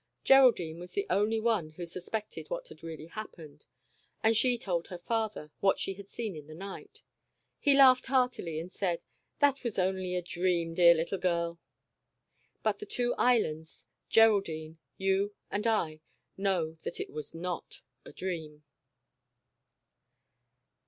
Geraldine was the only one who suspected what had really happened, and she told her father, what she had seen in the night. He laughed heartily and said :" That was only a dream, dear little girl." But the two Islands, Geraldine, you and I know that it was not a dream.